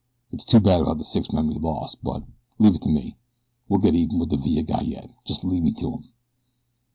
It's too bad about the six men we lost but, leave it to me, we'll get even with that Villa guy yet. Just lead me to 'im."